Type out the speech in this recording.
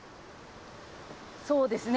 そうですね。